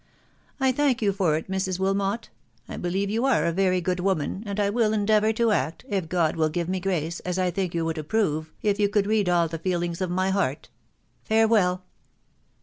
" I thank you for it, Mrs. Wilmot. ... I believe you are a very good woman, and I will endeavour to act, if God will give me grace, as I think you would approve, if you could read all the feelings of my heart. Farewell